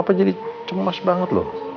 papa jadi cemas banget loh